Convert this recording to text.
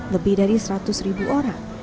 lebih dari seratus ribu orang